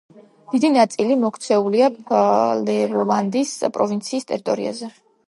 დიდი ნაწილი მოქცეულია ფლევოლანდის პროვინციის ტერიტორიაზე.